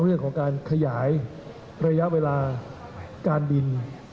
เรื่องของการขยายระยะเวลาการบิน